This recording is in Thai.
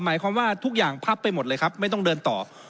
หมายความว่าทุกอย่างพับไปหมดเลยครับไม่ต้องเดินต่อ